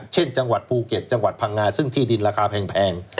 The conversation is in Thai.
จังหวัดภูเก็ตจังหวัดพังงาซึ่งที่ดินราคาแพง